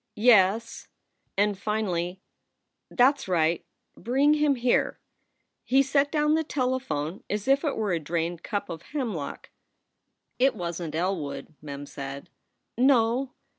... Yes!" and finally, "That s right bring him here." He set down the telephone as if it were a drained cup of hemlock. "It wasn t Elwood," Mem said. "No.